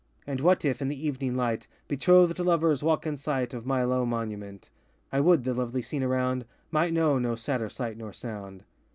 And what if, in the evening light, Betrothed lovers walk in sight Of my low monument? I would the lovely scene around Might know no sadder sight nor sound.